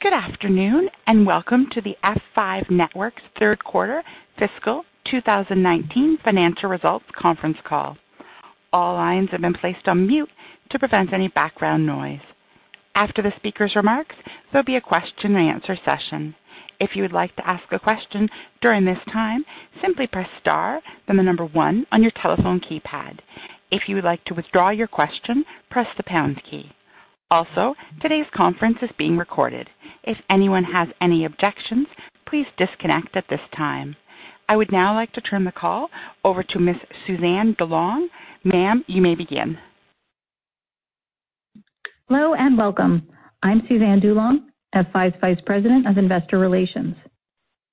Good afternoon. Welcome to the F5 Networks third quarter fiscal 2019 financial results conference call. All lines have been placed on mute to prevent any background noise. After the speaker's remarks, there'll be a question and answer session. If you would like to ask a question during this time, simply press star, then the number 1 on your telephone keypad. If you would like to withdraw your question, press the pound key. Today's conference is being recorded. If anyone has any objections, please disconnect at this time. I would now like to turn the call over to Ms. Suzanne DuLong. Ma'am, you may begin. Hello and welcome. I'm Suzanne DuLong, F5's Vice President of Investor Relations.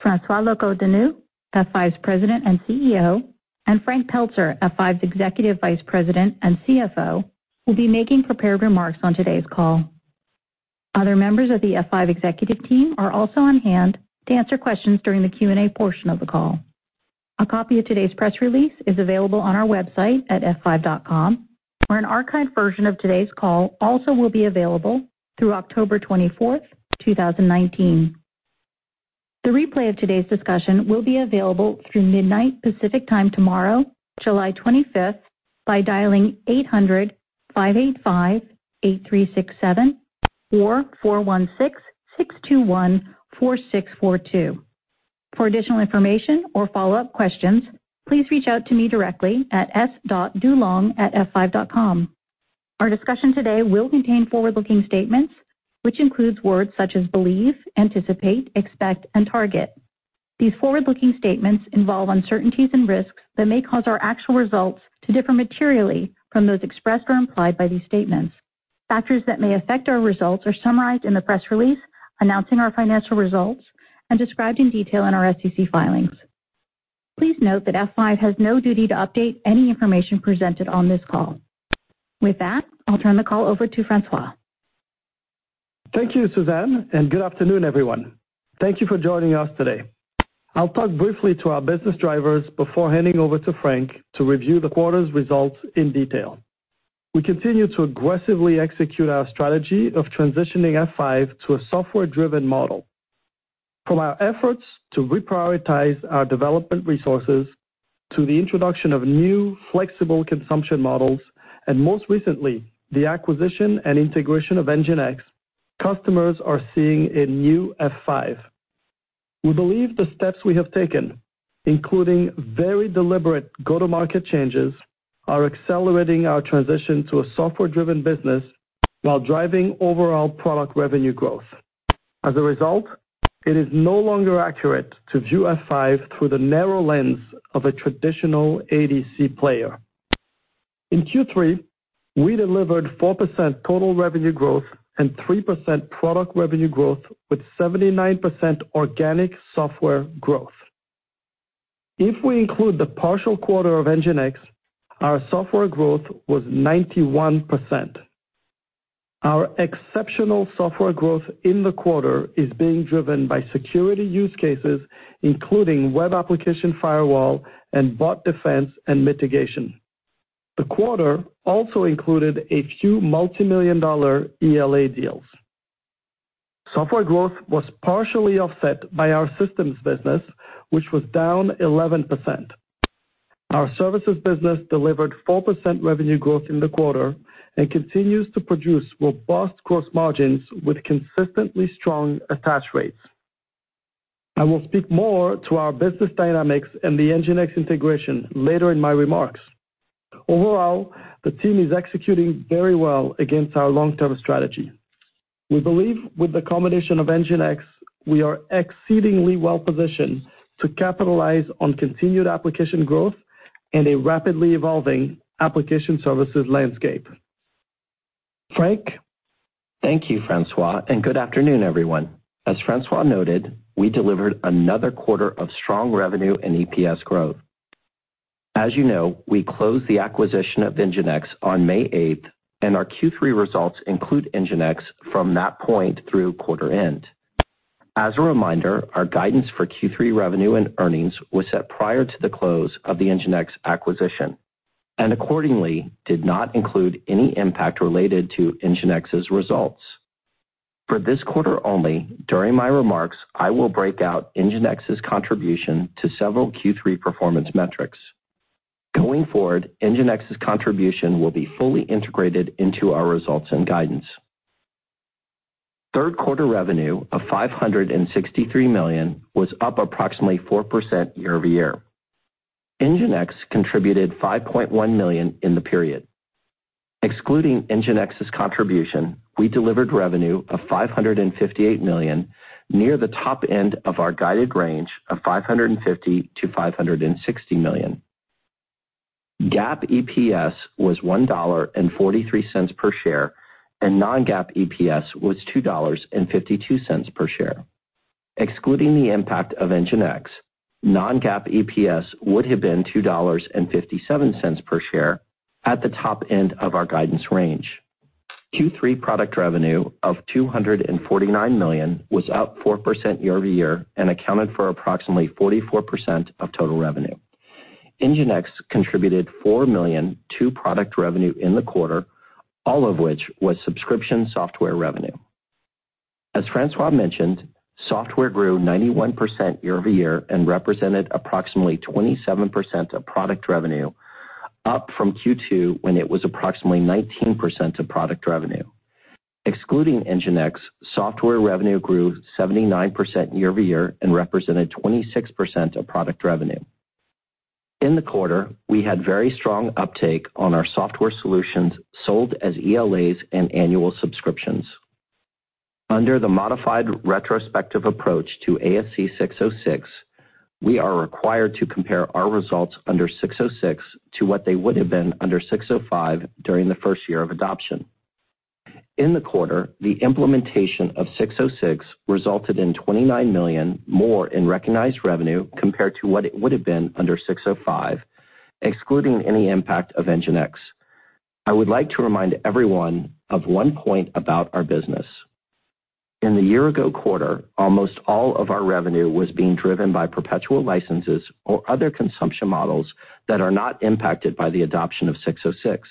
François Locoh-Donou, F5's President and CEO, and Frank Pelzer, F5's Executive Vice President and CFO, will be making prepared remarks on today's call. Other members of the F5 executive team are also on hand to answer questions during the Q&A portion of the call. A copy of today's press release is available on our website at f5.com, where an archived version of today's call also will be available through October 24th, 2019. The replay of today's discussion will be available through midnight Pacific Time tomorrow, July 25th, by dialing 800-585-8367 or 416-621-4642. For additional information or follow-up questions, please reach out to me directly at s.dulong@f5.com. Our discussion today will contain forward-looking statements, which includes words such as believe, anticipate, expect, and target. These forward-looking statements involve uncertainties and risks that may cause our actual results to differ materially from those expressed or implied by these statements. Factors that may affect our results are summarized in the press release announcing our financial results and described in detail in our SEC filings. Please note that F5 has no duty to update any information presented on this call. With that, I'll turn the call over to François. Thank you, Suzanne. Good afternoon, everyone. Thank you for joining us today. I'll talk briefly to our business drivers before handing over to Frank to review the quarter's results in detail. We continue to aggressively execute our strategy of transitioning F5 to a software-driven model. From our efforts to reprioritize our development resources to the introduction of new flexible consumption models and, most recently, the acquisition and integration of NGINX, customers are seeing a new F5. We believe the steps we have taken, including very deliberate go-to-market changes, are accelerating our transition to a software-driven business while driving overall product revenue growth. As a result, it is no longer accurate to view F5 through the narrow lens of a traditional ADC player. In Q3, we delivered 4% total revenue growth and 3% product revenue growth with 79% organic software growth. If we include the partial quarter of NGINX, our software growth was 91%. Our exceptional software growth in the quarter is being driven by security use cases, including web application firewall and bot defense and mitigation. The quarter also included a few multimillion-dollar ELA deals. Software growth was partially offset by our systems business, which was down 11%. Our services business delivered 4% revenue growth in the quarter and continues to produce robust gross margins with consistently strong attach rates. I will speak more to our business dynamics and the NGINX integration later in my remarks. Overall, the team is executing very well against our long-term strategy. We believe with the combination of NGINX, we are exceedingly well-positioned to capitalize on continued application growth in a rapidly evolving application services landscape. Frank? Thank you, François. Good afternoon, everyone. As François noted, we delivered another quarter of strong revenue and EPS growth. As you know, we closed the acquisition of NGINX on May 8, and our Q3 results include NGINX from that point through quarter end. As a reminder, our guidance for Q3 revenue and earnings was set prior to the close of the NGINX acquisition and accordingly did not include any impact related to NGINX's results. For this quarter only, during my remarks, I will break out NGINX's contribution to several Q3 performance metrics. Going forward, NGINX's contribution will be fully integrated into our results and guidance. Third quarter revenue of $563 million was up approximately 4% year-over-year. NGINX contributed $5.1 million in the period. Excluding NGINX's contribution, we delivered revenue of $558 million, near the top end of our guided range of $550 million-$560 million. GAAP EPS was $1.43 per share, and non-GAAP EPS was $2.52 per share. Excluding the impact of NGINX, non-GAAP EPS would have been $2.57 per share at the top end of our guidance range. Q3 product revenue of $249 million was up 4% year-over-year and accounted for approximately 44% of total revenue. NGINX contributed $4 million to product revenue in the quarter, all of which was subscription software revenue. As François mentioned, software grew 91% year-over-year and represented approximately 27% of product revenue, up from Q2, when it was approximately 19% of product revenue. Excluding NGINX, software revenue grew 79% year-over-year and represented 26% of product revenue. In the quarter, we had very strong uptake on our software solutions sold as ELAs and annual subscriptions. Under the modified retrospective approach to ASC 606, we are required to compare our results under 606 to what they would have been under 605 during the first year of adoption. In the quarter, the implementation of 606 resulted in $29 million more in recognized revenue compared to what it would have been under 605, excluding any impact of NGINX. I would like to remind everyone of one point about our business. In the year-ago quarter, almost all of our revenue was being driven by perpetual licenses or other consumption models that are not impacted by the adoption of 606.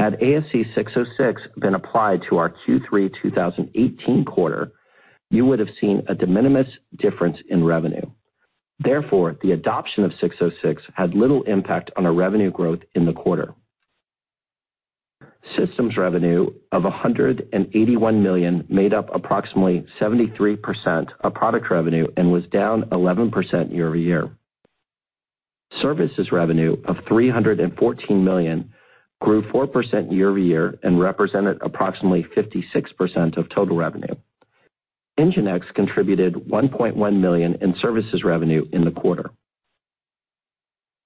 Had ASC 606 been applied to our Q3 2018 quarter, you would have seen a de minimis difference in revenue. Therefore, the adoption of 606 had little impact on our revenue growth in the quarter. Systems revenue of $181 million made up approximately 73% of product revenue and was down 11% year-over-year. Services revenue of $314 million grew 4% year-over-year and represented approximately 56% of total revenue. NGINX contributed $1.1 million in services revenue in the quarter.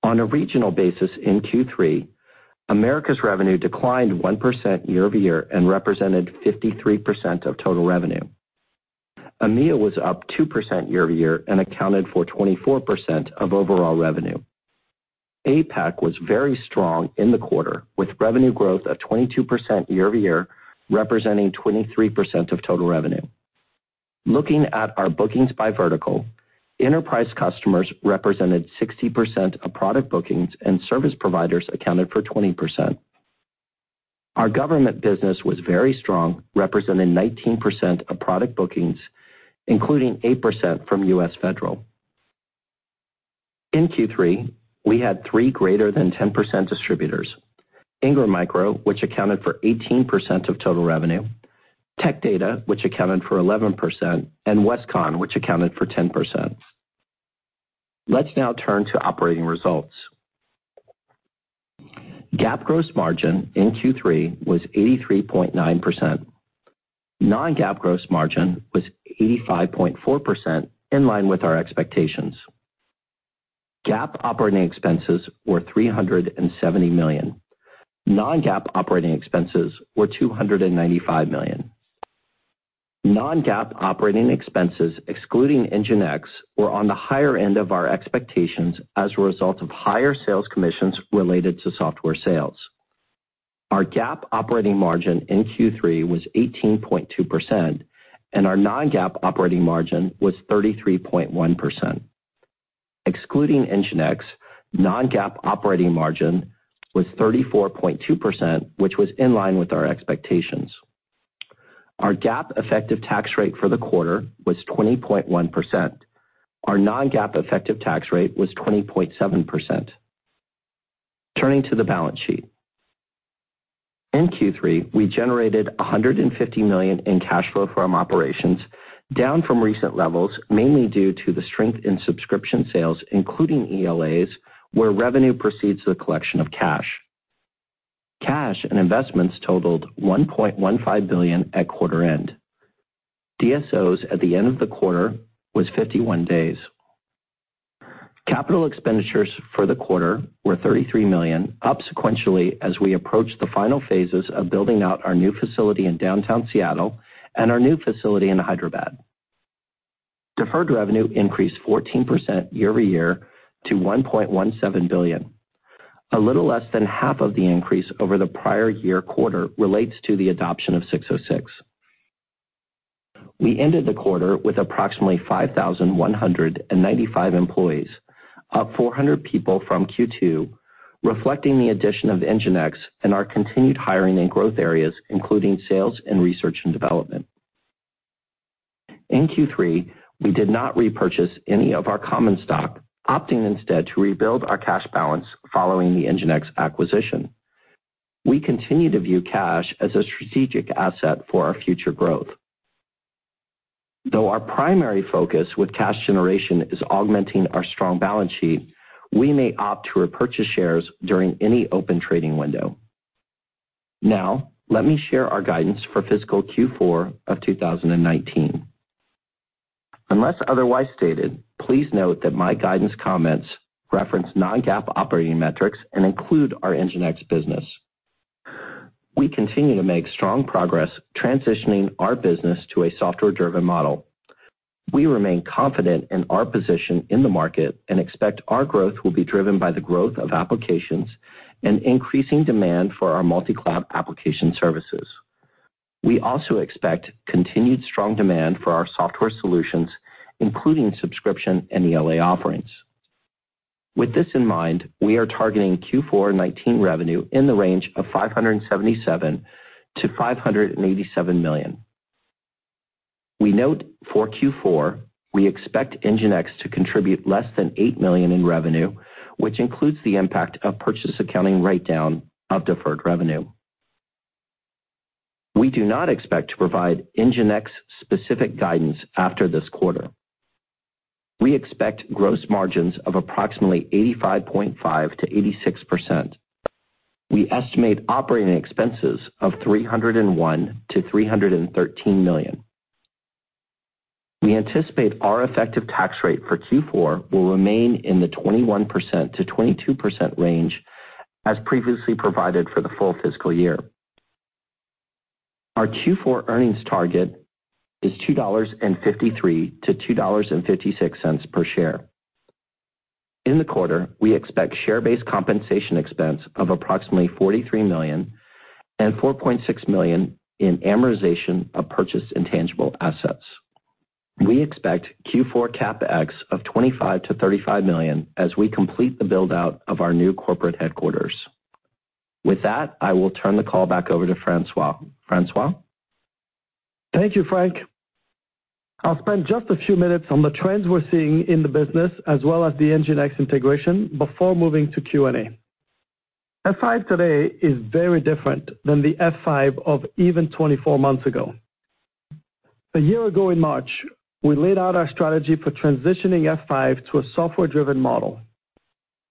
On a regional basis in Q3, Americas revenue declined 1% year-over-year and represented 53% of total revenue. EMEA was up 2% year-over-year and accounted for 24% of overall revenue. APAC was very strong in the quarter with revenue growth of 22% year-over-year, representing 23% of total revenue. Looking at our bookings by vertical, enterprise customers represented 60% of product bookings and service providers accounted for 20%. Our government business was very strong, representing 19% of product bookings, including 8% from U.S. federal. In Q3, we had three greater than 10% distributors, Ingram Micro, which accounted for 18% of total revenue, Tech Data, which accounted for 11%, and Westcon, which accounted for 10%. Let's now turn to operating results. GAAP gross margin in Q3 was 83.9%. Non-GAAP gross margin was 85.4%, in line with our expectations. GAAP operating expenses were $370 million. Non-GAAP operating expenses were $295 million. Non-GAAP operating expenses excluding NGINX were on the higher end of our expectations as a result of higher sales commissions related to software sales. Our GAAP operating margin in Q3 was 18.2%, and our non-GAAP operating margin was 33.1%. Excluding NGINX, non-GAAP operating margin was 34.2%, which was in line with our expectations. Our GAAP effective tax rate for the quarter was 20.1%. Our non-GAAP effective tax rate was 20.7%. Turning to the balance sheet. In Q3, we generated $150 million in cash flow from operations, down from recent levels, mainly due to the strength in subscription sales, including ELAs, where revenue precedes the collection of cash. Cash and investments totaled $1.15 billion at quarter end. DSOs at the end of the quarter was 51 days. Capital expenditures for the quarter were $33 million, up sequentially as we approach the final phases of building out our new facility in downtown Seattle and our new facility in Hyderabad. Deferred revenue increased 14% year-over-year to $1.17 billion. A little less than half of the increase over the prior year quarter relates to the adoption of 606. We ended the quarter with approximately 5,195 employees, up 400 people from Q2, reflecting the addition of NGINX and our continued hiring in growth areas, including sales and research and development. In Q3, we did not repurchase any of our common stock, opting instead to rebuild our cash balance following the NGINX acquisition. We continue to view cash as a strategic asset for our future growth. Our primary focus with cash generation is augmenting our strong balance sheet, we may opt to repurchase shares during any open trading window. Let me share our guidance for fiscal Q4 of 2019. Unless otherwise stated, please note that my guidance comments reference non-GAAP operating metrics and include our NGINX business. We continue to make strong progress transitioning our business to a software-driven model. We remain confident in our position in the market and expect our growth will be driven by the growth of applications and increasing demand for our multi-cloud application services. We also expect continued strong demand for our software solutions, including subscription and ELA offerings. With this in mind, we are targeting Q4 2019 revenue in the range of $577 million-$587 million. We note for Q4, we expect NGINX to contribute less than $8 million in revenue, which includes the impact of purchase accounting write-down of deferred revenue. We do not expect to provide NGINX specific guidance after this quarter. We expect gross margins of approximately 85.5%-86%. We estimate operating expenses of $301 million-$313 million. We anticipate our effective tax rate for Q4 will remain in the 21%-22% range as previously provided for the full fiscal year. Our Q4 earnings target is $2.53-$2.56 per share. In the quarter, we expect share-based compensation expense of approximately $43 million and $4.6 million in amortization of purchased intangible assets. We expect Q4 CapEx of $25 million-$35 million as we complete the build-out of our new corporate headquarters. With that, I will turn the call back over to François. François? Thank you, Frank. I'll spend just a few minutes on the trends we're seeing in the business as well as the NGINX integration before moving to Q&A. F5 today is very different than the F5 of even 24 months ago. A year ago in March, we laid out our strategy for transitioning F5 to a software-driven model.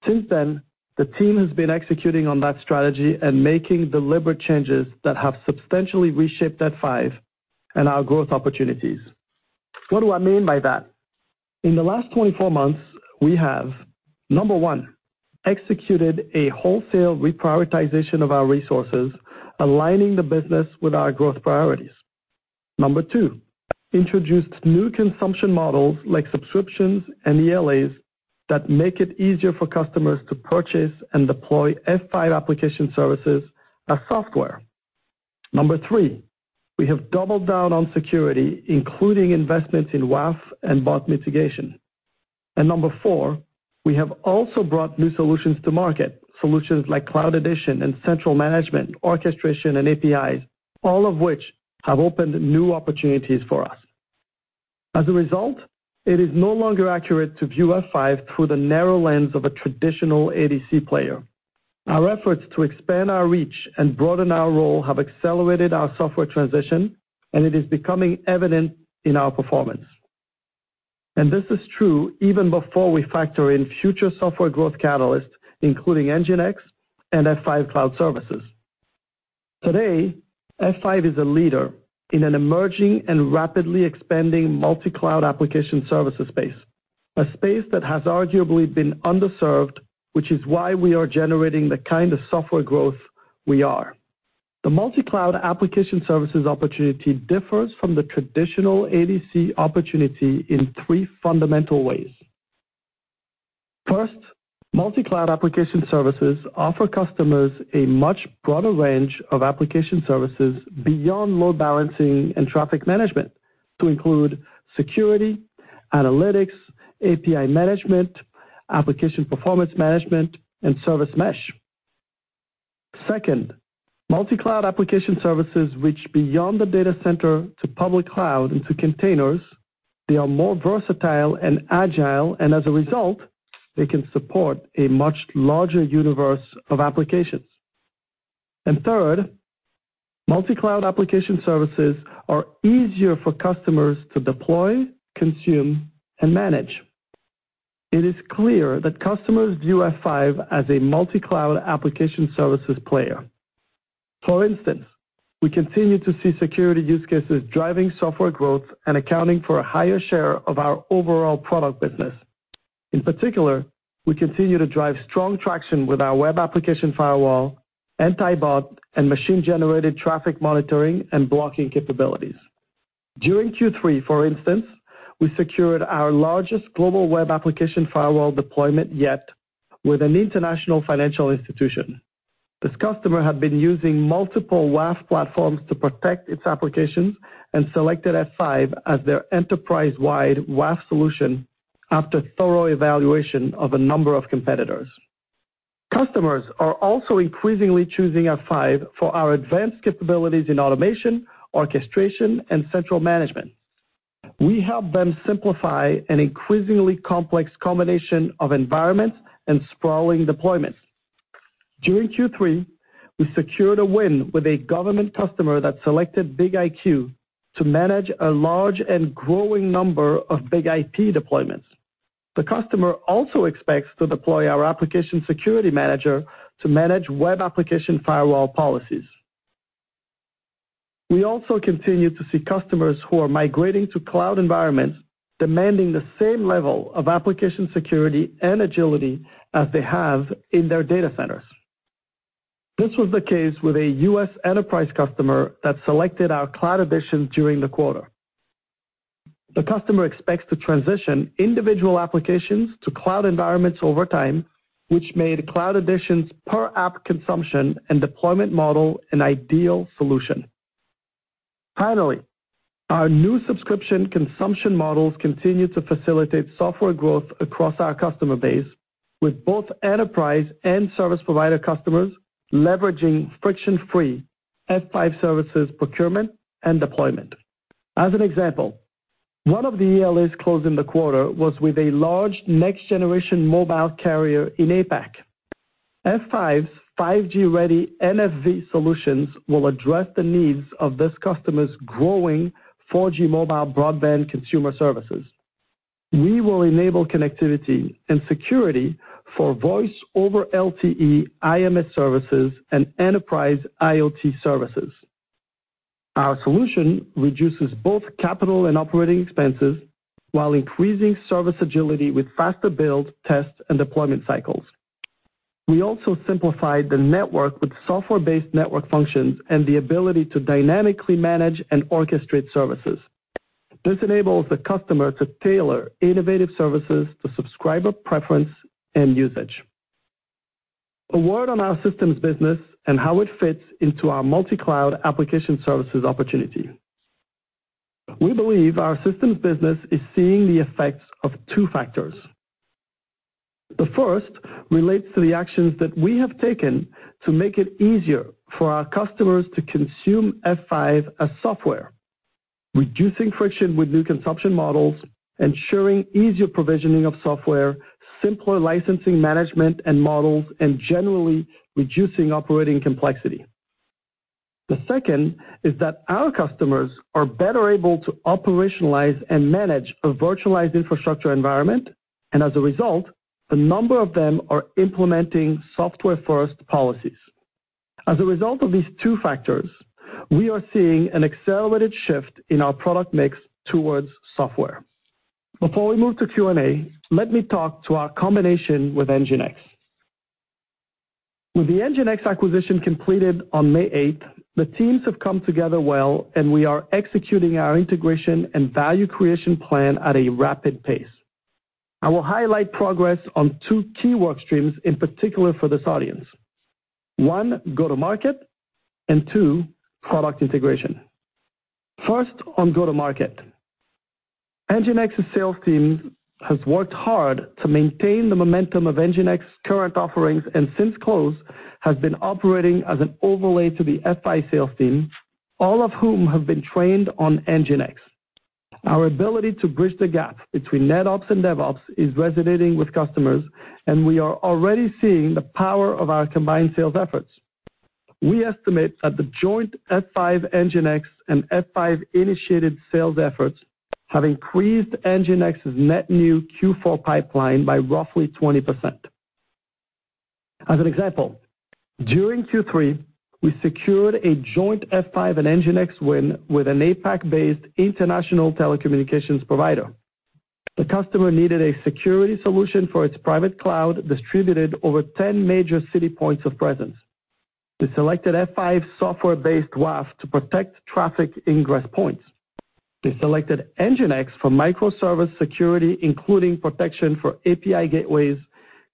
Since then, the team has been executing on that strategy and making deliberate changes that have substantially reshaped F5 and our growth opportunities. What do I mean by that? In the last 24 months, we have, number one, executed a wholesale reprioritization of our resources, aligning the business with our growth priorities. Number two, introduced new consumption models like subscriptions and ELAs that make it easier for customers to purchase and deploy F5 application services as software. Number three, we have doubled down on security, including investments in WAF and bot mitigation. Number four, we have also brought new solutions to market, solutions like Cloud Edition and Central Management, orchestration, and APIs, all of which have opened new opportunities for us. As a result, it is no longer accurate to view F5 through the narrow lens of a traditional ADC player. Our efforts to expand our reach and broaden our role have accelerated our software transition, and it is becoming evident in our performance. This is true even before we factor in future software growth catalysts, including NGINX and F5 Cloud Services. Today, F5 is a leader in an emerging and rapidly expanding multi-cloud application services space, a space that has arguably been underserved, which is why we are generating the kind of software growth we are. The multi-cloud application services opportunity differs from the traditional ADC opportunity in three fundamental ways. First, multi-cloud application services offer customers a much broader range of application services beyond load balancing and traffic management to include security, analytics, API management, application performance management, and service mesh. Second, multi-cloud application services reach beyond the data center to public cloud into containers. They are more versatile and agile, and as a result, they can support a much larger universe of applications. Third, multi-cloud application services are easier for customers to deploy, consume, and manage. It is clear that customers view F5 as a multi-cloud application services player. For instance, we continue to see security use cases driving software growth and accounting for a higher share of our overall product business. In particular, we continue to drive strong traction with our web application firewall, anti-bot, and machine-generated traffic monitoring and blocking capabilities. During Q3, for instance, we secured our largest global web application firewall deployment yet with an international financial institution. This customer had been using multiple WAF platforms to protect its applications and selected F5 as their enterprise-wide WAF solution after thorough evaluation of a number of competitors. Customers are also increasingly choosing F5 for our advanced capabilities in automation, orchestration, and central management. We help them simplify an increasingly complex combination of environments and sprawling deployments. During Q3, we secured a win with a government customer that selected BIG-IQ to manage a large and growing number of BIG-IP deployments. The customer also expects to deploy our Application Security Manager to manage web application firewall policies. We also continue to see customers who are migrating to cloud environments demanding the same level of application security and agility as they have in their data centers. This was the case with a U.S. enterprise customer that selected our Cloud Edition during the quarter. The customer expects to transition individual applications to cloud environments over time, which made cloud editions per app consumption and deployment model an ideal solution. Finally, our new subscription consumption models continue to facilitate software growth across our customer base, with both enterprise and service provider customers leveraging friction-free F5 services procurement and deployment. As an example, one of the ELAs closed in the quarter was with a large next generation mobile carrier in APAC. F5's 5G ready NFV solutions will address the needs of this customer's growing 4G mobile broadband consumer services. We will enable connectivity and security for voice over LTE IMS services and enterprise IoT services. Our solution reduces both capital and operating expenses while increasing service agility with faster build, test, and deployment cycles. We also simplified the network with software-based network functions and the ability to dynamically manage and orchestrate services. This enables the customer to tailor innovative services to subscriber preference and usage. A word on our systems business and how it fits into our multi-cloud application services opportunity. We believe our systems business is seeing the effects of two factors. The first relates to the actions that we have taken to make it easier for our customers to consume F5 as software, reducing friction with new consumption models, ensuring easier provisioning of software, simpler licensing management and models, and generally reducing operating complexity. The second is that our customers are better able to operationalize and manage a virtualized infrastructure environment, and as a result, a number of them are implementing software first policies. As a result of these two factors, we are seeing an accelerated shift in our product mix towards software. Before we move to Q&A, let me talk to our combination with NGINX. With the NGINX acquisition completed on May 8th, the teams have come together well, and we are executing our integration and value creation plan at a rapid pace. I will highlight progress on two key work streams in particular for this audience. One, go-to-market, and two, product integration. First on go-to-market. NGINX's sales team has worked hard to maintain the momentum of NGINX current offerings and since close, has been operating as an overlay to the F5 sales team, all of whom have been trained on NGINX. Our ability to bridge the gap between NetOps and DevOps is resonating with customers, and we are already seeing the power of our combined sales efforts. We estimate that the joint F5 NGINX and F5 initiated sales efforts have increased NGINX's net new Q4 pipeline by roughly 20%. As an example, during Q3, we secured a joint F5 and NGINX win with an APAC-based international telecommunications provider. The customer needed a security solution for its private cloud, distributed over 10 major city points of presence. They selected F5 software-based WAF to protect traffic ingress points. They selected NGINX for microservice security, including protection for API gateways,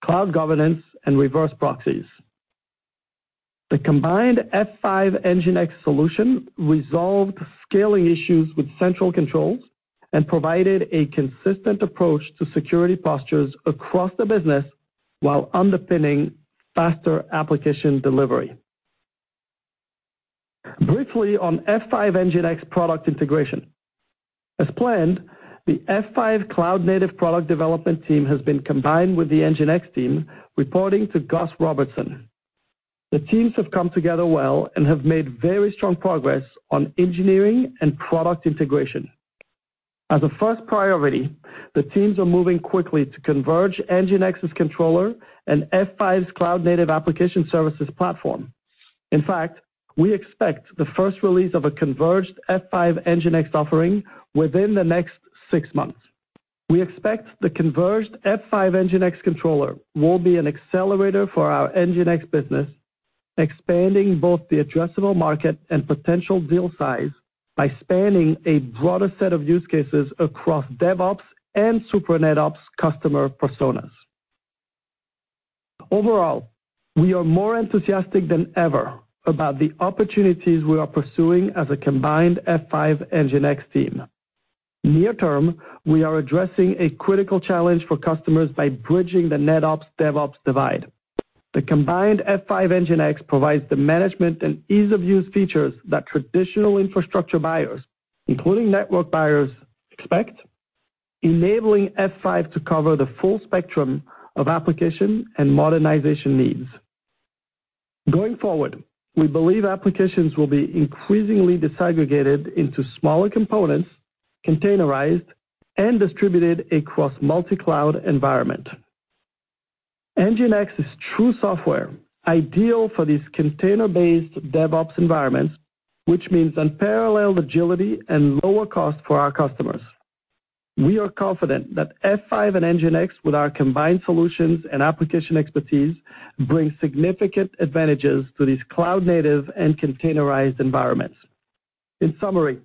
cloud governance, and reverse proxies. The combined F5 NGINX solution resolved scaling issues with central controls and provided a consistent approach to security postures across the business while underpinning faster application delivery. Briefly on F5 NGINX product integration. As planned, the F5 cloud native product development team has been combined with the NGINX team, reporting to Gus Robertson. The teams have come together well and have made very strong progress on engineering and product integration. As a first priority, the teams are moving quickly to converge NGINX's controller and F5's cloud native application services platform. In fact, we expect the first release of a converged F5 NGINX offering within the next six months. We expect the converged F5 NGINX controller will be an accelerator for our NGINX business, expanding both the addressable market and potential deal size by spanning a broader set of use cases across DevOps and super NetOps customer personas. Overall, we are more enthusiastic than ever about the opportunities we are pursuing as a combined F5 NGINX team. Near term, we are addressing a critical challenge for customers by bridging the NetOps DevOps divide. The combined F5 NGINX provides the management and ease of use features that traditional infrastructure buyers, including network buyers expect, enabling F5 to cover the full spectrum of application and modernization needs. Going forward, we believe applications will be increasingly disaggregated into smaller components, containerized, and distributed across multi-cloud environment. NGINX is true software ideal for these container-based DevOps environments, which means unparalleled agility and lower cost for our customers. We are confident that F5 and NGINX, with our combined solutions and application expertise, bring significant advantages to these cloud-native and containerized environments. In summary,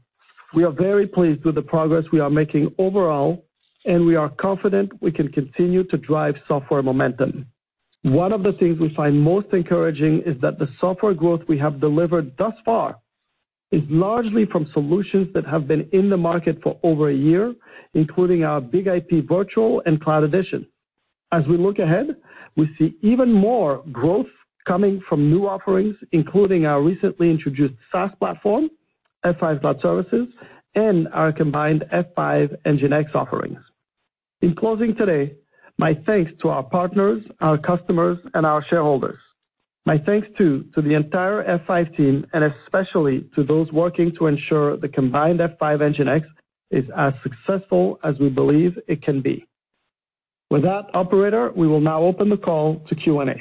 we are very pleased with the progress we are making overall, and we are confident we can continue to drive software momentum. One of the things we find most encouraging is that the software growth we have delivered thus far is largely from solutions that have been in the market for over a year, including our BIG-IP Virtual and Cloud Edition. As we look ahead, we see even more growth coming from new offerings, including our recently introduced SaaS platform, F5 Cloud Services, and our combined F5 NGINX offerings. In closing today, my thanks to our partners, our customers, and our shareholders. My thanks, too, to the entire F5 team, and especially to those working to ensure the combined F5 NGINX is as successful as we believe it can be. With that, operator, we will now open the call to Q&A.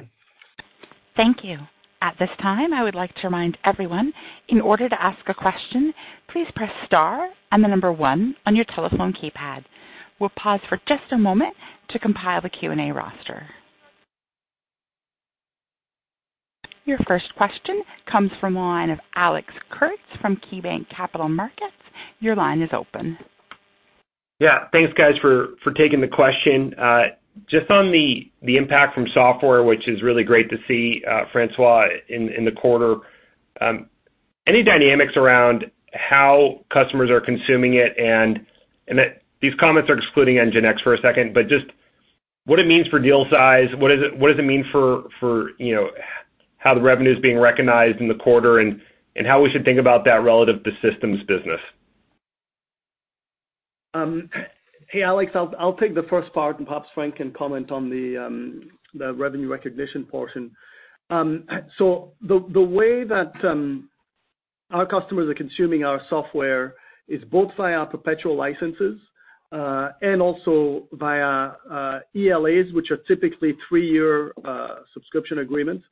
Thank you. At this time, I would like to remind everyone, in order to ask a question, please press star and the number 1 on your telephone keypad. We'll pause for just a moment to compile the Q&A roster. Your first question comes from the line of Alex Kurtz from KeyBanc Capital Markets. Your line is open. Yeah. Thanks, guys, for taking the question. Just on the impact from software, which is really great to see, François, in the quarter. Any dynamics around how customers are consuming it? These comments are excluding NGINX for a second, but just what it means for deal size, what does it mean for how the revenue's being recognized in the quarter, and how we should think about that relative to systems business? Hey, Alex. I'll take the first part, and perhaps Frank can comment on the revenue recognition portion. The way that our customers are consuming our software is both via our perpetual licenses, and also via ELAs, which are typically three-year subscription agreements,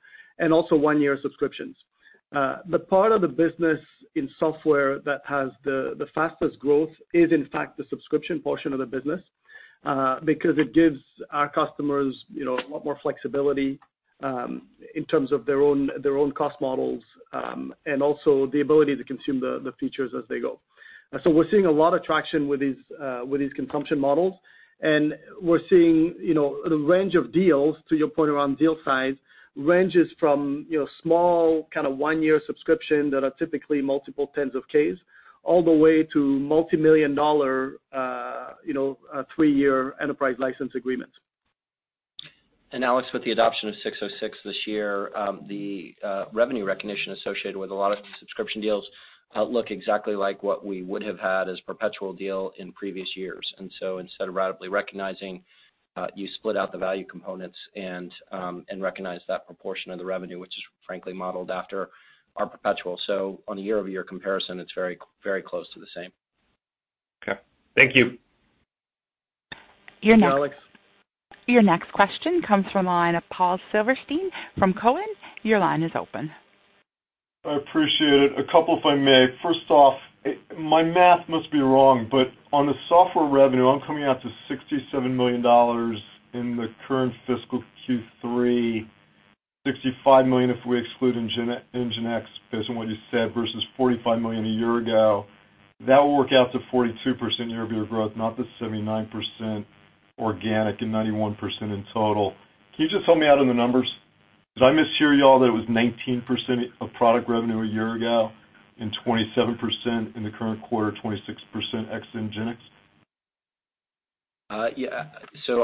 and also one-year subscriptions. The part of the business in software that has the fastest growth is, in fact, the subscription portion of the business, because it gives our customers a lot more flexibility in terms of their own cost models, and also the ability to consume the features as they go. We're seeing a lot of traction with these consumption models, and we're seeing the range of deals, to your point around deal size, ranges from small one-year subscription that are typically multiple tens of K's, all the way to multimillion-dollar three-year enterprise license agreements. Alex, with the adoption of 606 this year, the revenue recognition associated with a lot of subscription deals look exactly like what we would have had as perpetual deal in previous years. Instead of ratably recognizing, you split out the value components and recognize that proportion of the revenue, which is frankly modeled after our perpetual. On a year-over-year comparison, it's very close to the same. Okay. Thank you. Your next- Thanks, Alex. Your next question comes from the line of Paul Silverstein from Cowen. Your line is open. I appreciate it. A couple, if I may. First off, my math must be wrong, but on the software revenue, I'm coming out to $67 million in the current fiscal Q3, $65 million if we exclude NGINX based on what you said, versus $45 million a year ago. That will work out to 42% year-over-year growth, not the 79% organic and 91% in total. Can you just help me out on the numbers? Did I mishear y'all that it was 19% of product revenue a year ago and 27% in the current quarter, 26% ex NGINX? Yeah.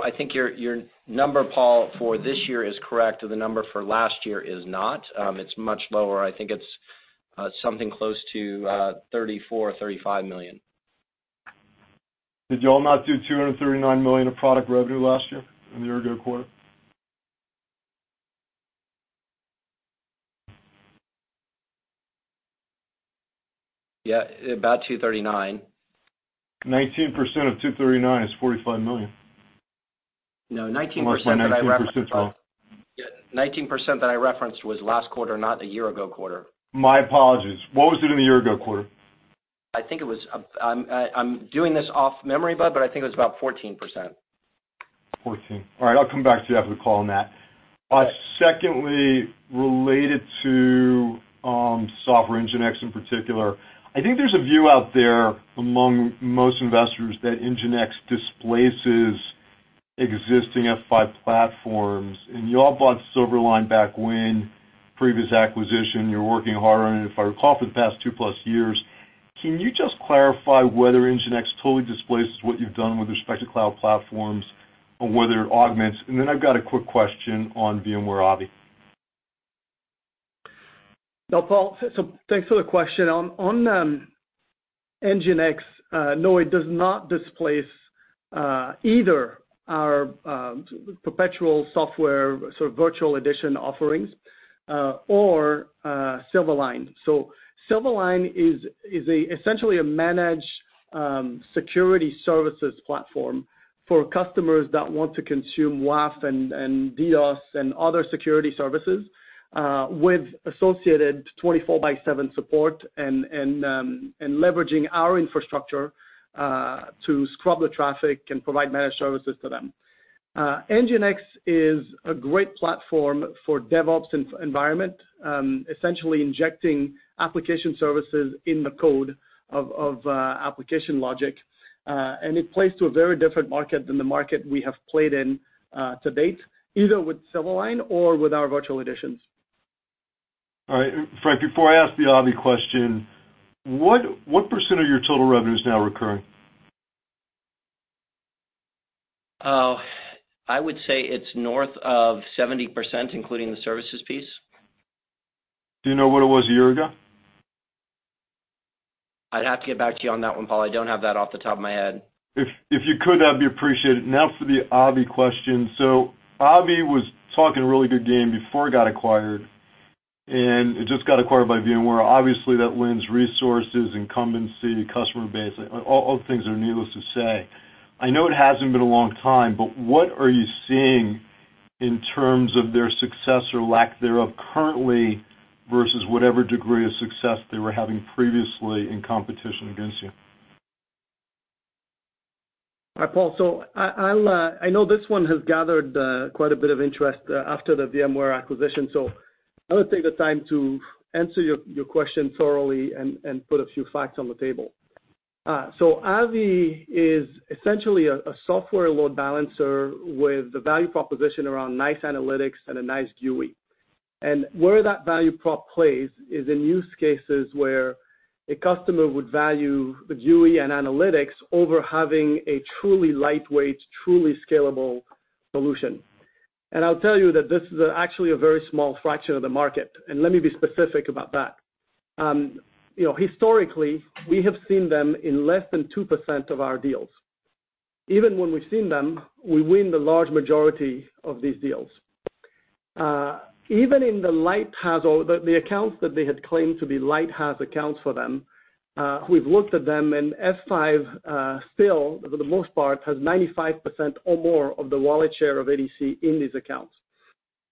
I think your number, Paul, for this year is correct, though the number for last year is not. It's much lower. I think it's something close to $34 million or $35 million. Did y'all not do $239 million of product revenue last year in the year ago quarter? Yeah, about 239. 19% of 239 is $45 million. No, 19% that I referenced. Unless my 19% is off. 19% that I referenced was last quarter, not the year ago quarter. My apologies. What was it in the year ago quarter? I'm doing this off memory, Bud, but I think it was about 14%. All right. I'll come back to you after the call on that. Sure. Related to software, NGINX in particular. I think there's a view out there among most investors that NGINX displaces existing F5 platforms, and you all bought Silverline back when, previous acquisition. You're working hard on it, if I recall, for the past two plus years. Can you just clarify whether NGINX totally displaces what you've done with respect to cloud platforms or whether it augments? I've got a quick question on VMware Avi. Paul, thanks for the question. On NGINX, no, it does not displace either our perpetual software sort of virtual edition offerings or Silverline. Silverline is essentially a managed security services platform for customers that want to consume WAF, and DDoS, and other security services, with associated 24 by seven support and leveraging our infrastructure to scrub the traffic and provide managed services to them. NGINX is a great platform for DevOps environment, essentially injecting application services in the code of application logic, and it plays to a very different market than the market we have played in to date, either with Silverline or with our virtual editions. All right. Frank, before I ask the Avi question, what % of your total revenue is now recurring? I would say it's north of 70%, including the services piece. Do you know what it was a year ago? I'd have to get back to you on that one, Paul. I don't have that off the top of my head. If you could, that'd be appreciated. For the Avi question. Avi was talking a really good game before it got acquired, and it just got acquired by VMware. Obviously, that lends resources, incumbency, customer base, all things are needless to say. I know it hasn't been a long time, what are you seeing in terms of their success or lack thereof currently versus whatever degree of success they were having previously in competition against you? Hi, Paul. I know this one has gathered quite a bit of interest after the VMware acquisition, I would take the time to answer your question thoroughly and put a few facts on the table. Avi is essentially a software load balancer with the value proposition around nice analytics and a nice GUI. Where that value prop plays is in use cases where a customer would value the GUI and analytics over having a truly lightweight, truly scalable solution. I'll tell you that this is actually a very small fraction of the market, let me be specific about that. Historically, we have seen them in less than 2% of our deals. Even when we've seen them, we win the large majority of these deals. Even in the accounts that they had claimed to be lighthouse accounts for them, we've looked at them, and F5 still, for the most part, has 95% or more of the wallet share of ADC in these accounts.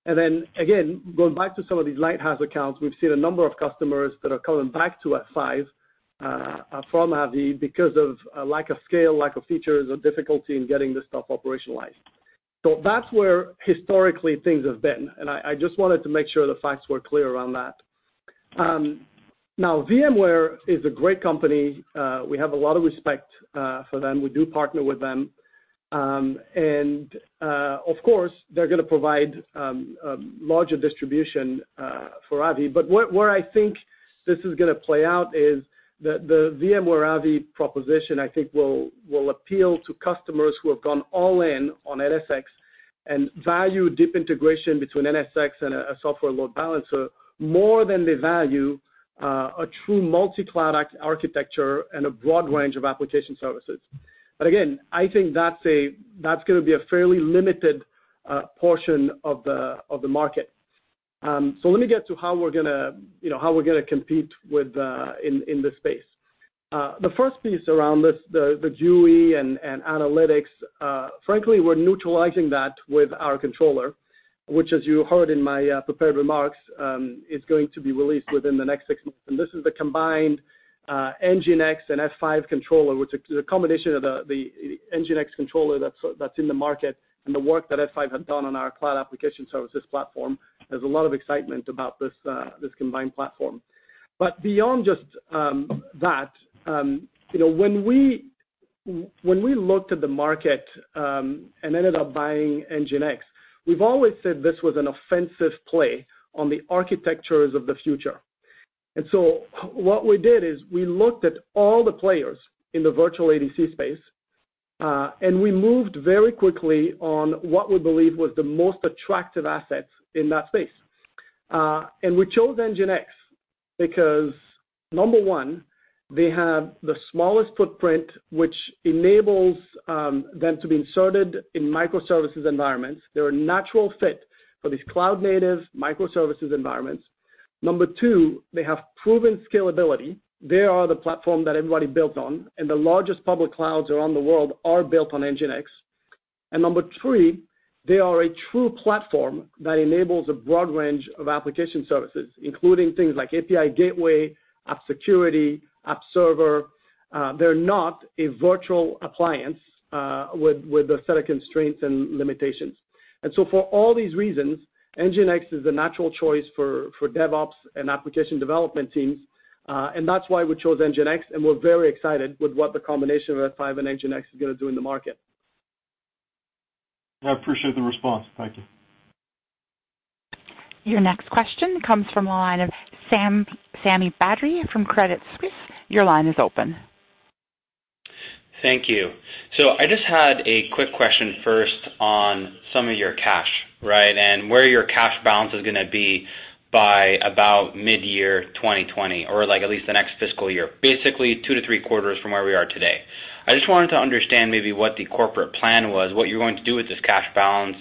Then again, going back to some of these lighthouse accounts, we've seen a number of customers that are coming back to F5 from Avi because of a lack of scale, lack of features, or difficulty in getting this stuff operationalized. That's where historically things have been, and I just wanted to make sure the facts were clear around that. Now, VMware is a great company. We have a lot of respect for them. We do partner with them. Of course, they're going to provide larger distribution for Avi. Where I think this is going to play out is that the VMware Avi proposition, I think will appeal to customers who have gone all in on NSX and value deep integration between NSX and a software load balancer more than they value a true multi-cloud architecture and a broad range of application services. Again, I think that's going to be a fairly limited portion of the market. Let me get to how we're going to compete in this space. The first piece around this, the GUI and analytics, frankly, we're neutralizing that with our controller, which, as you heard in my prepared remarks, is going to be released within the next six months. This is the combined NGINX and F5 controller, which is a combination of the NGINX controller that's in the market and the work that F5 had done on our cloud application services platform. There's a lot of excitement about this combined platform. Beyond just that, when we looked at the market and ended up buying NGINX, we've always said this was an offensive play on the architectures of the future. What we did is we looked at all the players in the virtual ADC space, and we moved very quickly on what we believe was the most attractive assets in that space. We chose NGINX because number 1, they have the smallest footprint, which enables them to be inserted in microservices environments. They're a natural fit for these cloud-native microservices environments. Number 2, they have proven scalability. They are the platform that everybody builds on, and the largest public clouds around the world are built on NGINX. Number three, they are a true platform that enables a broad range of application services, including things like API gateway, app security, app server. They're not a virtual appliance with a set of constraints and limitations. For all these reasons, NGINX is a natural choice for DevOps and application development teams. That's why we chose NGINX, and we're very excited with what the combination of F5 and NGINX is going to do in the market. I appreciate the response. Thank you. Your next question comes from the line of Sami Badri from Credit Suisse. Your line is open. Thank you. I just had a quick question first on some of your cash, and where your cash balance is going to be by about mid-year 2020, or at least the next fiscal year. Basically, two to three quarters from where we are today. I just wanted to understand maybe what the corporate plan was, what you're going to do with this cash balance.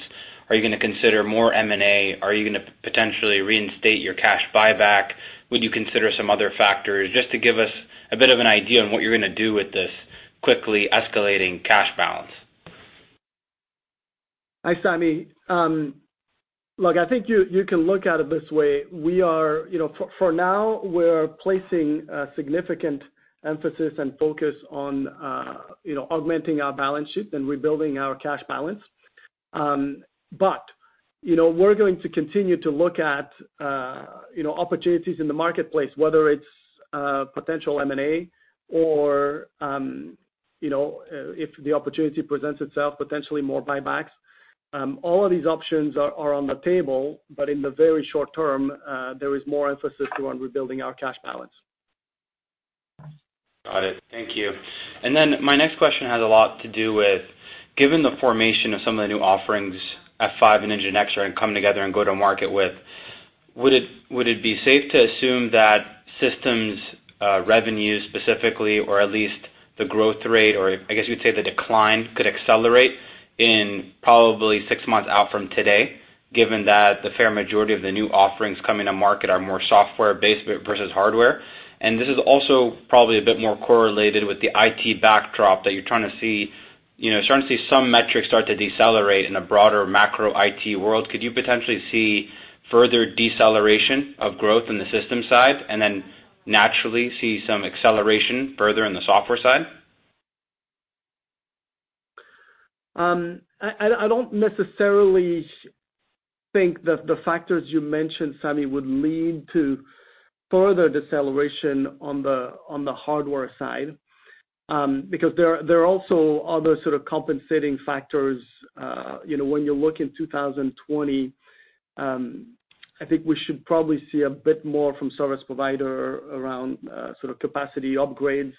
Are you going to consider more M&A? Are you going to potentially reinstate your cash buyback? Would you consider some other factors? Just to give us a bit of an idea on what you're going to do with this quickly escalating cash balance. Hi, Sami. Look, I think you can look at it this way. For now, we're placing a significant emphasis and focus on augmenting our balance sheet and rebuilding our cash balance. We're going to continue to look at opportunities in the marketplace, whether it's potential M&A or, if the opportunity presents itself, potentially more buybacks. All of these options are on the table, but in the very short term, there is more emphasis toward rebuilding our cash balance. Got it. Thank you. My next question has a lot to do with, given the formation of some of the new offerings F5 and NGINX are going to come together and go to market with, would it be safe to assume that systems revenues specifically, or at least the growth rate, or I guess you'd say the decline, could accelerate in probably six months out from today, given that the fair majority of the new offerings coming to market are more software-based versus hardware? This is also probably a bit more correlated with the IT backdrop that you're trying to see some metrics start to decelerate in a broader macro IT world. Could you potentially see further deceleration of growth in the system side, and then naturally see some acceleration further in the software side? I don't necessarily think that the factors you mentioned, Sami, would lead to further deceleration on the hardware side. There are also other sort of compensating factors. When you look in 2020, I think we should probably see a bit more from service provider around sort of capacity upgrades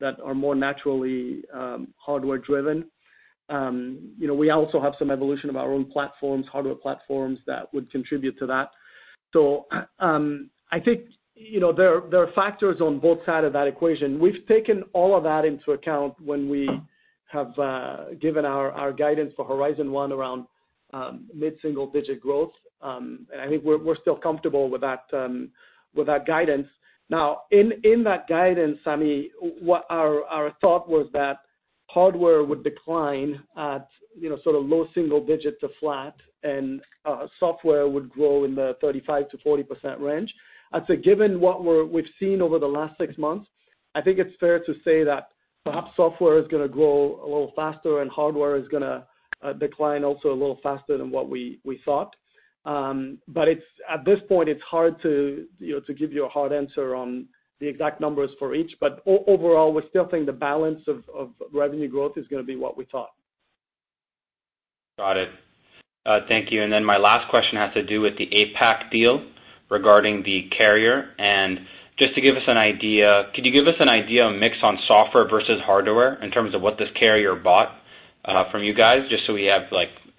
that are more naturally hardware driven. We also have some evolution of our own platforms, hardware platforms, that would contribute to that. I think, there are factors on both sides of that equation. We've taken all of that into account when we have given our guidance for Horizon 1 around mid-single digit growth. I think we're still comfortable with that guidance. In that guidance, Sami, our thought was that hardware would decline at sort of low single digits or flat, and software would grow in the 35%-40% range. I'd say given what we've seen over the last six months, I think it's fair to say that perhaps software is going to grow a little faster and hardware is going to decline also a little faster than what we thought. At this point, it's hard to give you a hard answer on the exact numbers for each. Overall, we still think the balance of revenue growth is going to be what we thought. Got it. Thank you. My last question has to do with the APAC deal regarding the carrier. Just to give us an idea, could you give us an idea of mix on software versus hardware in terms of what this carrier bought from you guys, just so we have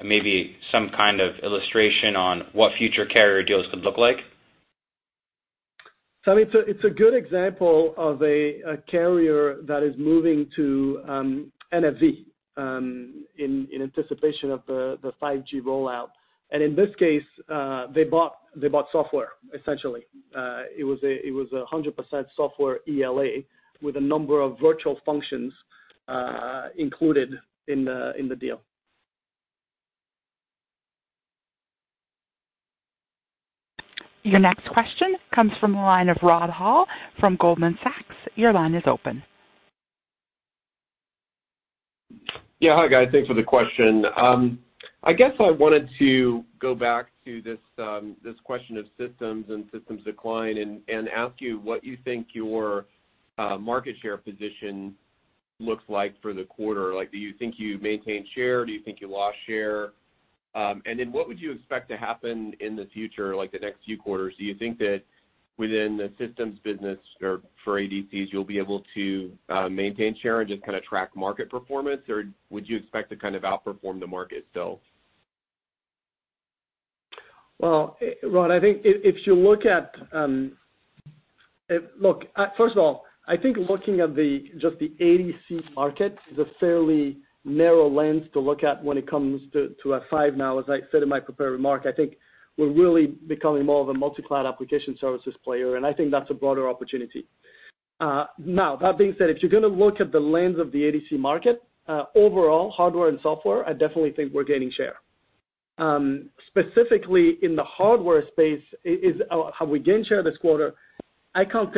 maybe some kind of illustration on what future carrier deals could look like? Sami, it's a good example of a carrier that is moving to NFV in anticipation of the 5G rollout. In this case, they bought software, essentially. It was 100% software ELA with a number of virtual functions included in the deal. Your next question comes from the line of Rod Hall from Goldman Sachs. Your line is open. Hi, guys. Thanks for the question. I guess I wanted to go back to this question of systems and systems decline and ask you what you think your market share position looks like for the quarter. Do you think you maintained share? Do you think you lost share? What would you expect to happen in the future, like the next few quarters? Do you think that within the systems business or for ADCs, you'll be able to maintain share and just kind of track market performance, or would you expect to kind of outperform the market still? Well, Rod, first of all, I think looking at just the ADC market is a fairly narrow lens to look at when it comes to F5 now. As I said in my prepared remark, I think we're really becoming more of a multi-cloud application services player, and I think that's a broader opportunity. That being said, if you're going to look at the lens of the ADC market, overall, hardware and software, I definitely think we're gaining share. Specifically in the hardware space, have we gained share this quarter? I can't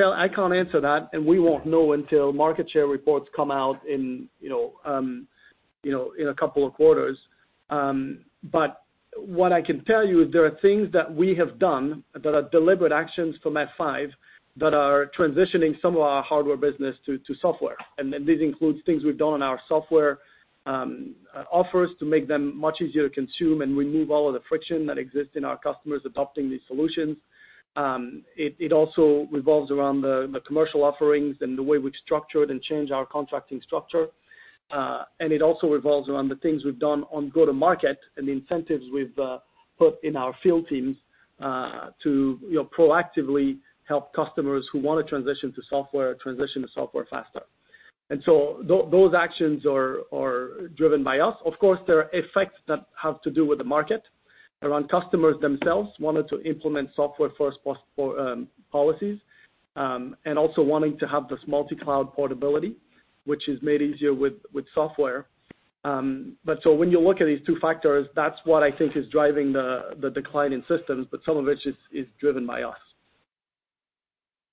answer that, and we won't know until market share reports come out in a couple of quarters. What I can tell you is there are things that we have done that are deliberate actions from F5 that are transitioning some of our hardware business to software. These include things we've done in our software offers to make them much easier to consume and remove all of the friction that exists in our customers adopting these solutions. It also revolves around the commercial offerings and the way we've structured and changed our contracting structure. It also revolves around the things we've done on go to market and the incentives we've put in our field teams to proactively help customers who want to transition to software, transition to software faster. Those actions are driven by us. Of course, there are effects that have to do with the market around customers themselves wanting to implement software first policies, and also wanting to have this multi-cloud portability, which is made easier with software. When you look at these two factors, that's what I think is driving the decline in systems, but some of it is driven by us.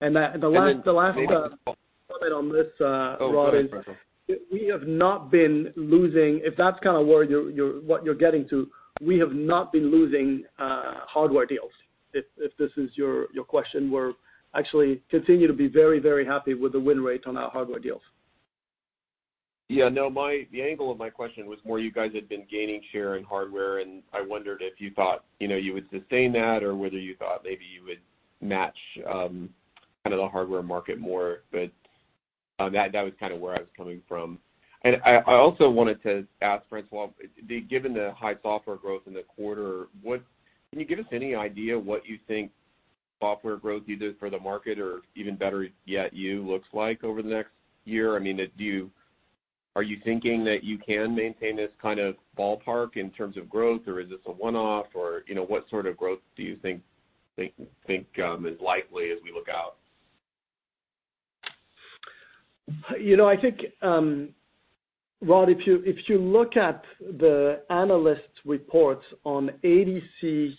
And then maybe- Comment on this, Rod. Oh, go ahead, François. If that's kind of where what you're getting to, we have not been losing hardware deals, if this is your question. We actually continue to be very happy with the win rate on our hardware deals. Yeah, no. The angle of my question was more you guys had been gaining share in hardware, and I wondered if you thought you would sustain that or whether you thought maybe you would match the hardware market more, but that was kind of where I was coming from. I also wanted to ask, François, given the high software growth in the quarter, can you give us any idea what you think software growth, either for the market or even better yet, you, looks like over the next year? Are you thinking that you can maintain this kind of ballpark in terms of growth, or is this a one-off, or what sort of growth do you think is likely as we look out? I think, Rod, if you look at the analysts' reports on ADC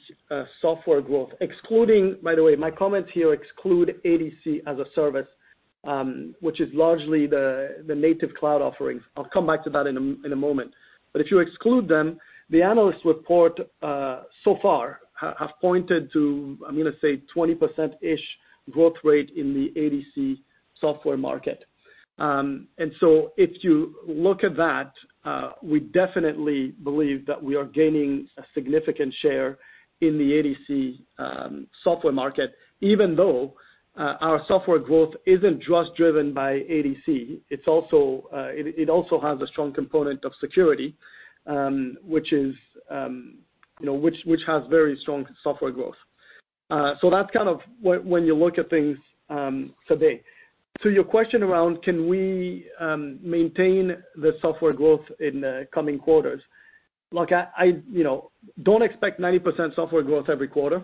software growth, by the way, my comments here exclude ADC as a service, which is largely the native cloud offerings. I'll come back to that in a moment. If you exclude them, the analysts' reports so far have pointed to, I'm going to say, 20%-ish growth rate in the ADC software market. If you look at that, we definitely believe that we are gaining a significant share in the ADC software market, even though our software growth isn't just driven by ADC. It also has a strong component of security, which has very strong software growth. That's kind of when you look at things today. To your question around, can we maintain the software growth in the coming quarters? Look, I don't expect 90% software growth every quarter.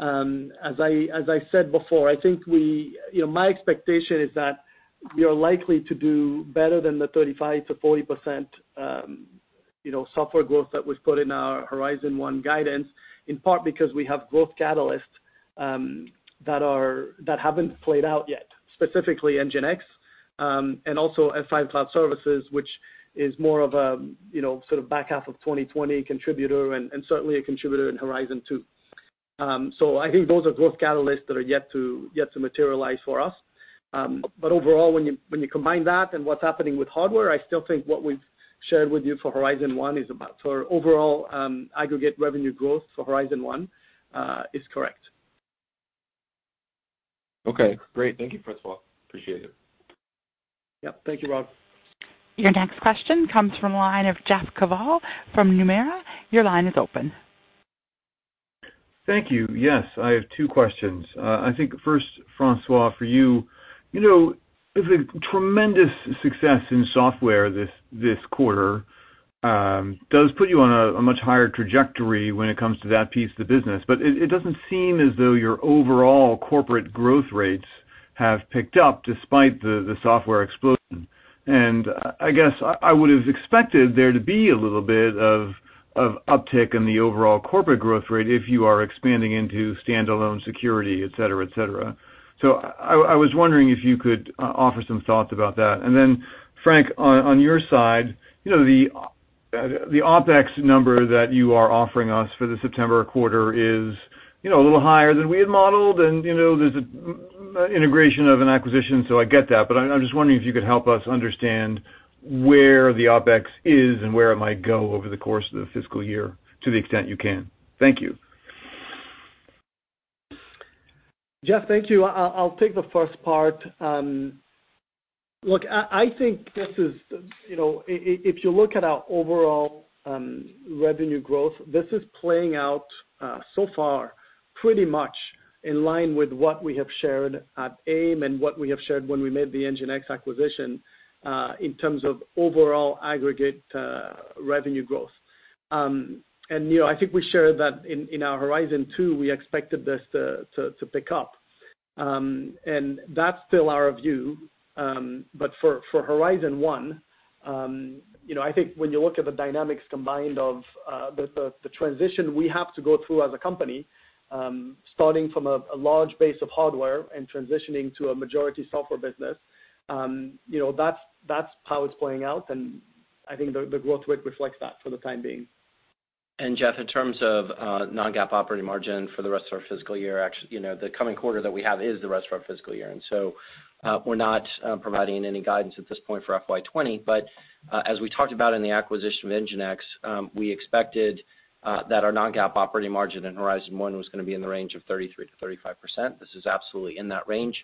As I said before, my expectation is that we are likely to do better than the 35%-40% software growth that we've put in our Horizon 1 guidance, in part because we have growth catalysts that haven't played out yet, specifically NGINX, and also F5 Cloud Services, which is more of a sort of back half of 2020 contributor and certainly a contributor in Horizon 2. I think those are growth catalysts that are yet to materialize for us. Overall, when you combine that and what's happening with hardware, I still think what we've shared with you for Horizon 1, for overall aggregate revenue growth for Horizon 1, is correct. Okay, great. Thank you, François. Appreciate it. Yep. Thank you, Rod. Your next question comes from the line of Jeff Kvaal from Nomura. Your line is open. Thank you. Yes, I have two questions. I think first, François, for you. The tremendous success in software this quarter does put you on a much higher trajectory when it comes to that piece of the business. It doesn't seem as though your overall corporate growth rates have picked up despite the software explosion. I guess I would have expected there to be a little bit of uptick in the overall corporate growth rate if you are expanding into standalone security, et cetera. I was wondering if you could offer some thoughts about that. Frank, on your side, the OpEx number that you are offering us for the September quarter is a little higher than we had modeled, and there's an integration of an acquisition, so I get that. I'm just wondering if you could help us understand where the OpEx is and where it might go over the course of the fiscal year, to the extent you can. Thank you. Jeff, thank you. I'll take the first part. Look, I think if you look at our overall revenue growth, this is playing out so far pretty much in line with what we have shared at AIM and what we have shared when we made the NGINX acquisition in terms of overall aggregate revenue growth. I think we shared that in our Horizon 2, we expected this to pick up. That's still our view. For Horizon 1, I think when you look at the dynamics combined of the transition we have to go through as a company, starting from a large base of hardware and transitioning to a majority software business, that's how it's playing out, and I think the growth rate reflects that for the time being. Jeff, in terms of non-GAAP operating margin for the rest of our fiscal year, the coming quarter that we have is the rest of our fiscal year. We're not providing any guidance at this point for FY20. As we talked about in the acquisition of NGINX, we expected that our non-GAAP operating margin in Horizon 1 was going to be in the range of 33%-35%. This is absolutely in that range.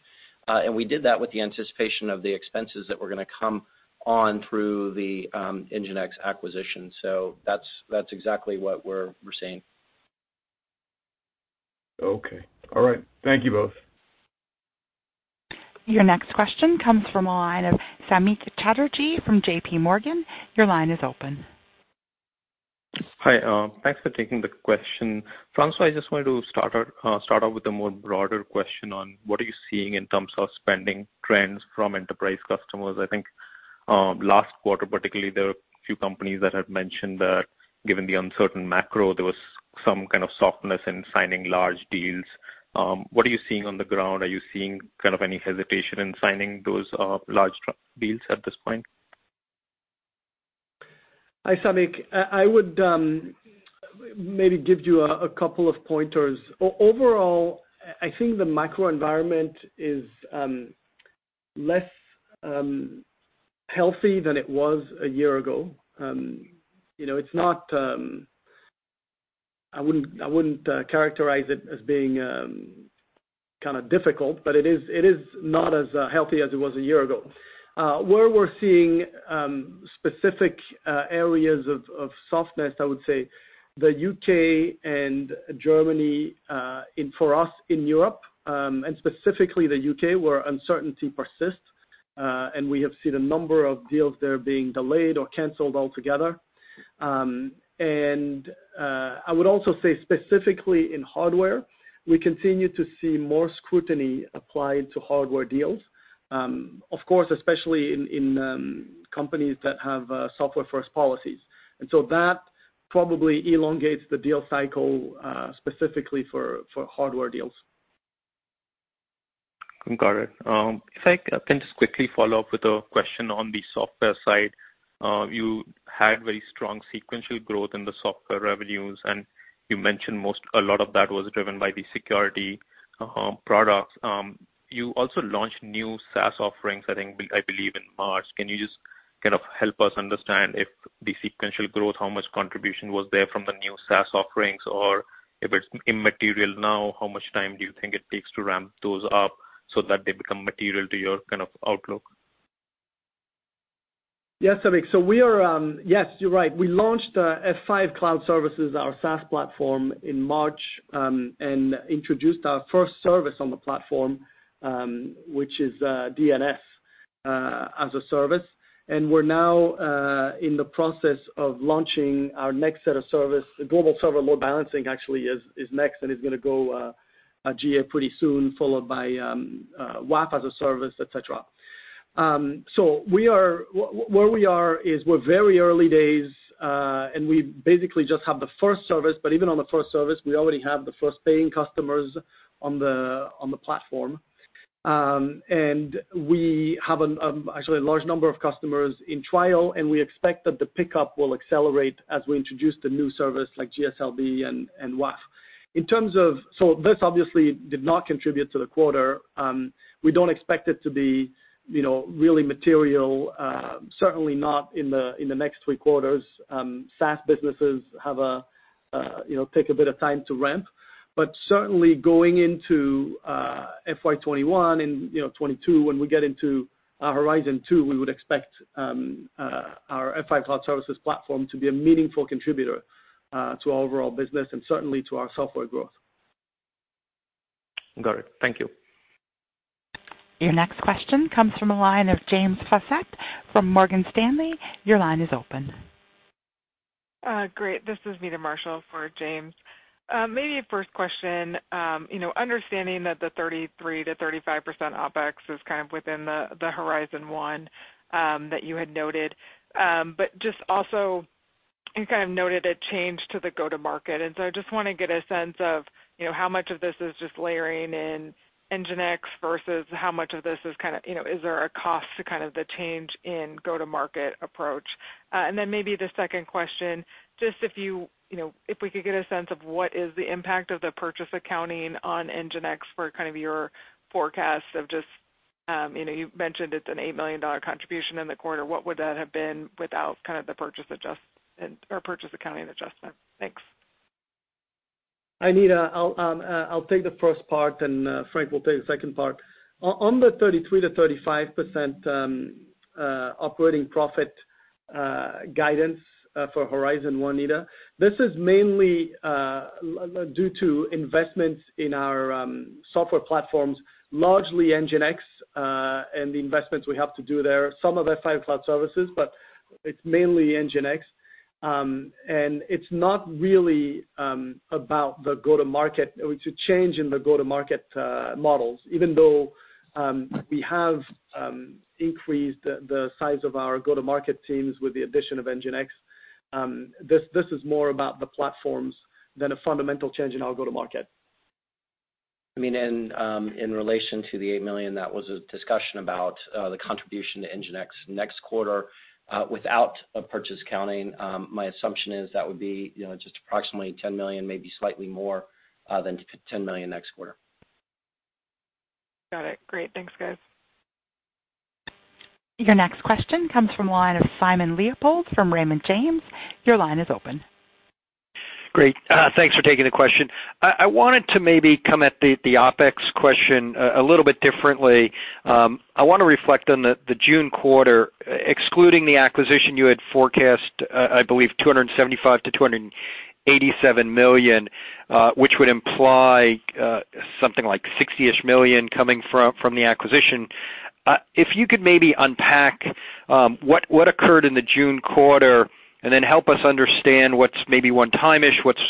We did that with the anticipation of the expenses that were going to come on through the NGINX acquisition. That's exactly what we're seeing. Okay. All right. Thank you both. Your next question comes from the line of Samik Chatterjee from J.P. Morgan. Your line is open. Hi. Thanks for taking the question. François, I just wanted to start off with a more broader question on what are you seeing in terms of spending trends from enterprise customers? I think last quarter particularly, there were a few companies that had mentioned that given the uncertain macro, there was some kind of softness in signing large deals. What are you seeing on the ground? Are you seeing kind of any hesitation in signing those large deals at this point? Hi, Samik. I would maybe give you a couple of pointers. Overall, I think the macro environment is less healthy than it was a year ago. I wouldn't characterize it as being kind of difficult, but it is not as healthy as it was a year ago. Where we're seeing specific areas of softness, I would say the U.K. and Germany for us in Europe, and specifically the U.K., where uncertainty persists, and we have seen a number of deals there being delayed or canceled altogether. I would also say specifically in hardware, we continue to see more scrutiny applied to hardware deals, of course, especially in companies that have software-first policies. That probably elongates the deal cycle specifically for hardware deals. Got it. If I can just quickly follow up with a question on the software side. You had very strong sequential growth in the software revenues, and you mentioned a lot of that was driven by the security products. You also launched new SaaS offerings, I think, I believe in March. Can you just kind of help us understand if the sequential growth, how much contribution was there from the new SaaS offerings, or if it's immaterial now, how much time do you think it takes to ramp those up so that they become material to your kind of outlook? Yeah, Samik. Yes, you're right. We launched F5 Cloud Services, our SaaS platform, in March, and introduced our first service on the platform, which is DNS as a service. We're now in the process of launching our next set of service. Global Server Load Balancing actually is next and is going to go GA pretty soon, followed by WAF as a service, et cetera. Where we are is we're very early days, and we basically just have the first service, but even on the first service, we actually already have the first paying customers on the platform. And we have actually a large number of customers in trial, and we expect that the pickup will accelerate as we introduce the new service like GSLB and WAF. This obviously did not contribute to the quarter. We don't expect it to be really material, certainly not in the next three quarters. SaaS businesses take a bit of time to ramp. Certainly going into FY21 and '22, when we get into our Horizon 2, we would expect our F5 Cloud Services platform to be a meaningful contributor to our overall business and certainly to our software growth. Got it. Thank you. Your next question comes from the line of James Faucette from Morgan Stanley. Your line is open. Great. This is Meta Marshall for James. Maybe a first question. Understanding that the 33%-35% OpEx is kind of within the Horizon 1 that you had noted. Just also, you kind of noted a change to the go-to market. I just want to get a sense of how much of this is just layering in NGINX versus how much of this is there a cost to kind of the change in go-to-market approach? Then maybe the second question, just if we could get a sense of what is the impact of the purchase accounting on NGINX for kind of your forecast of you mentioned it's an $8 million contribution in the quarter. What would that have been without kind of the purchase accounting adjustment? Thanks. Hi, Meta. I'll take the first part and Frank will take the second part. On the 33%-35% operating profit guidance for Horizon 1, Meta, this is mainly due to investments in our software platforms, largely NGINX, and the investments we have to do there. Some of F5 Cloud Services, but it's mainly NGINX. It's not really about the change in the go-to-market models. Even though we have increased the size of our go-to-market teams with the addition of NGINX, this is more about the platforms than a fundamental change in our go-to-market. In relation to the $8 million, that was a discussion about the contribution to NGINX next quarter without a purchase accounting. My assumption is that would be just approximately $10 million, maybe slightly more than $10 million next quarter. Got it. Great. Thanks, guys. Your next question comes from the line of Simon Leopold from Raymond James. Your line is open. Great. Thanks for taking the question. I wanted to maybe come at the OpEx question a little bit differently. I want to reflect on the June quarter. Excluding the acquisition you had forecast, I believe $275 million to $287 million, which would imply something like $60-ish million coming from the acquisition. If you could maybe unpack what occurred in the June quarter, and then help us understand what's maybe one-time-ish, what's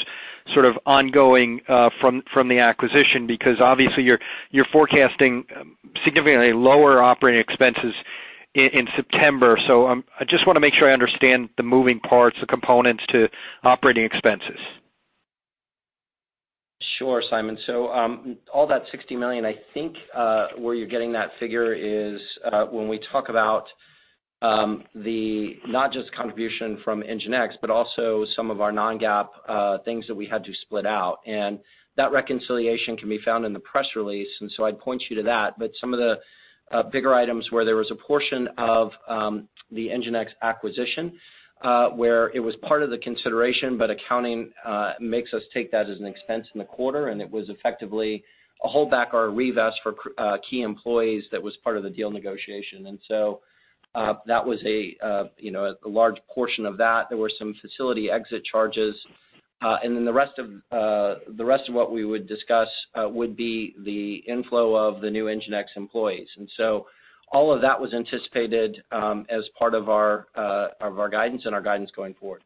sort of ongoing from the acquisition, because obviously you're forecasting significantly lower operating expenses in September. I just want to make sure I understand the moving parts, the components to operating expenses. Sure, Simon. All that $60 million, I think where you're getting that figure is when we talk about the not just contribution from NGINX, but also some of our non-GAAP things that we had to split out. That reconciliation can be found in the press release, and so I'd point you to that. Some of the bigger items were there was a portion of the NGINX acquisition where it was part of the consideration, but accounting makes us take that as an expense in the quarter, and it was effectively a holdback or a revest for key employees that was part of the deal negotiation. That was a large portion of that. There were some facility exit charges. The rest of what we would discuss would be the inflow of the new NGINX employees. All of that was anticipated as part of our guidance and our guidance going forward.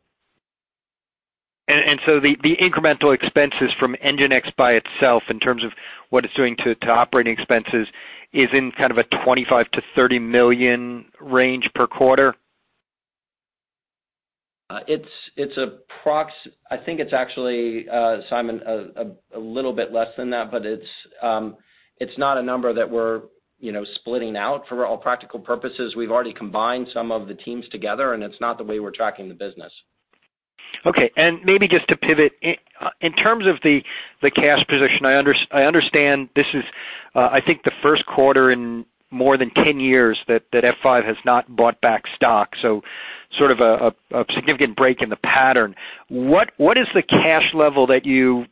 The incremental expenses from NGINX by itself, in terms of what it's doing to operating expenses, is in kind of a $25 million-$30 million range per quarter? I think it's actually, Simon, a little bit less than that, but it's not a number that we're splitting out for all practical purposes. We've already combined some of the teams together, and it's not the way we're tracking the business. Okay. Maybe just to pivot, in terms of the cash position, I understand this is, I think the first quarter in more than 10 years that F5 has not bought back stock, so sort of a significant break in the pattern. What is the cash level that you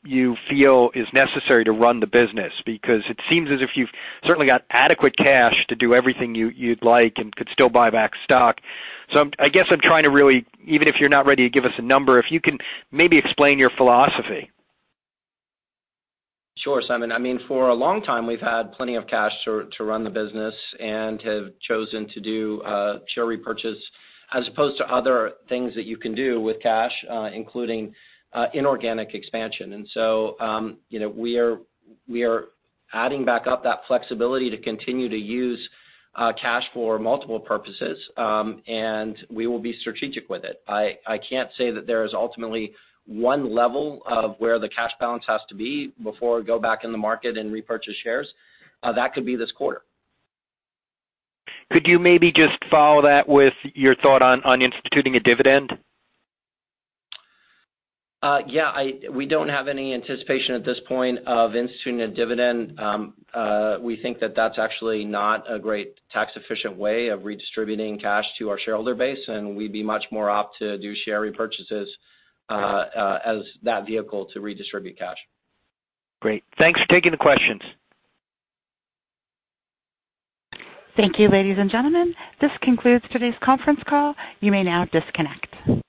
feel is necessary to run the business? Because it seems as if you've certainly got adequate cash to do everything you'd like and could still buy back stock. So I guess I'm trying to really, even if you're not ready to give us a number, if you can maybe explain your philosophy. Sure, Simon. I mean, for a long time we've had plenty of cash to run the business and have chosen to do share repurchase as opposed to other things that you can do with cash, including inorganic expansion. We are adding back up that flexibility to continue to use cash for multiple purposes, and we will be strategic with it. I can't say that there is ultimately one level of where the cash balance has to be before we go back in the market and repurchase shares. That could be this quarter. Could you maybe just follow that with your thought on instituting a dividend? Yeah, we don't have any anticipation at this point of instituting a dividend. We think that that's actually not a great tax-efficient way of redistributing cash to our shareholder base. We'd be much more opt to do share repurchases as that vehicle to redistribute cash. Great. Thanks for taking the questions. Thank you, ladies and gentlemen. This concludes today's conference call. You may now disconnect.